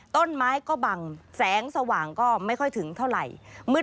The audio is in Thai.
ต้นไม้ก็บังแสงสว่างก็ไม่ค่อยถึงเท่าไหร่